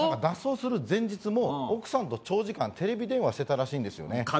脱走する前日も奥さんと長時間テレビ電話してたらしいんですよね。